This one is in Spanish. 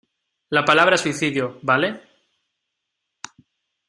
la palabra suicidio, ¿ vale?